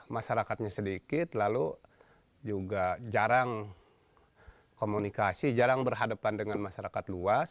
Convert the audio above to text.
masyarakatnya sedikit lalu juga jarang komunikasi jarang berhadapan dengan masyarakat luas